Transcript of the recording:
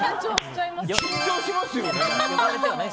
緊張しますよね。